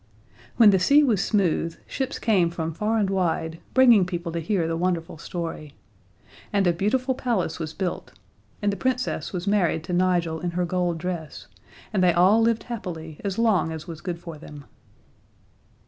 When the sea was smooth, ships came from far and wide, bringing people to hear the wonderful story. And a beautiful palace was built, and the Princess was married to Nigel in her gold dress, and they all lived happily as long as was good for them.